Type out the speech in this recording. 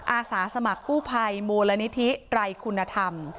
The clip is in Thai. อาสาสมัครกู้ภัยมูลนิธิไตรคุณธรรม